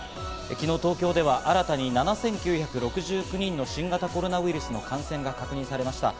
昨日、東京では新たに７９６９人の新型コロナウイルスの感染が確認されました。